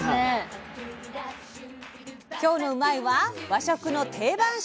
今日の「うまいッ！」は和食の定番食材！